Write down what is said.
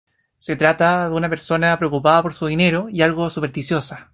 Se trata de una persona preocupada por su dinero y algo supersticiosa.